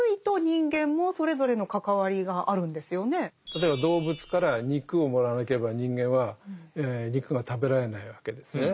例えば動物から肉をもらわなければ人間は肉が食べられないわけですね。